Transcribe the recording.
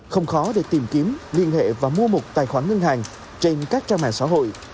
không khó để tìm kiếm liên hệ và mua một tài khoản ngân hàng trên các trang mạng xã hội